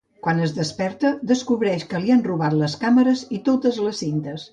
Quan es desperta descobreix que li han robat les càmeres i totes les cintes.